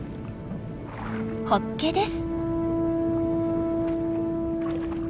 ホッケです。